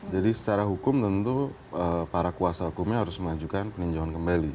jadi secara hukum tentu para kuasa hukumnya harus mengajukan peninjauan kembali